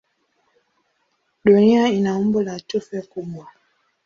Dunia ina umbo la tufe kubwa.